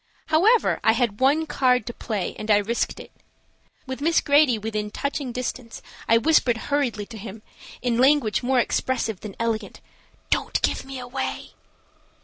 However, I had one card to play and I risked it. With Miss Grady within touching distance I whispered hurriedly to him, in language more expressive than elegant: "Don't give me away."